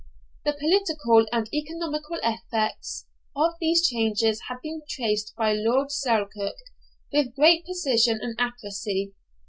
The political and economical effects of these changes have been traced by Lord Selkirk with great precision and accuracy.